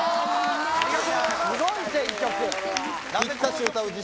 すごい選曲おっ